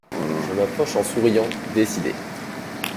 Je m’approche en souriant, décidée.